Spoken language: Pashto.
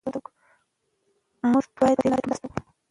موږ ټول باید پهدې لاره کې مرسته وکړو.